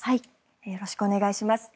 よろしくお願いします。